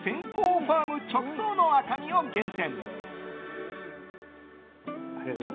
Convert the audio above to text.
ファーム直送の赤身を厳選。